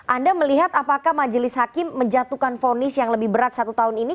anda melihat apakah majelis hakim menjatuhkan fonis yang lebih berat satu tahun ini